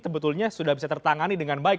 sebetulnya sudah bisa tertangani dengan baik